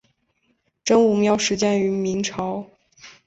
真武庙始建于明朝。